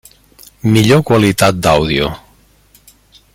Millor qualitat d'àudio.